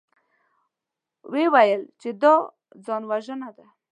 ويې ويل چې دا ځانوژنه ده.